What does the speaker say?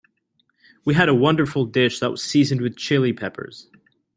We had a wonderful dish that was seasoned with Chili Peppers.